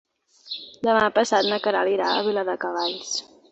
Demà passat na Queralt irà a Viladecavalls.